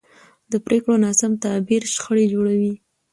د پرېکړو ناسم تعبیر شخړې جوړوي